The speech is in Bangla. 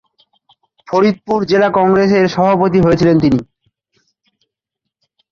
ফরিদপুর জেলা কংগ্রেসের সভাপতি হয়েছিলেন তিনি।